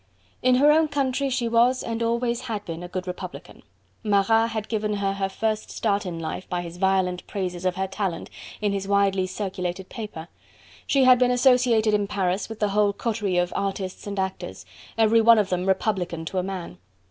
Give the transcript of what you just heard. In her own country she was and always had been a good republican: Marat had given her her first start in life by his violent praises of her talent in his widely circulated paper; she had been associated in Paris with the whole coterie of artists and actors: every one of them republican to a man.